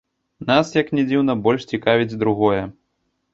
Нас, як ні дзіўна, больш цікавіць другое.